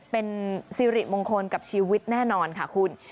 เป็นสิริมงคลกับชีวิตแน่นอนค่ะคุณ